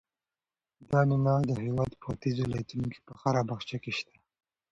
دا نعناع د هېواد په ختیځو ولایتونو کې په هر باغچه کې شته.